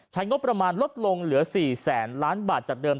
งบประมาณลดลงเหลือ๔แสนล้านบาทจากเดิม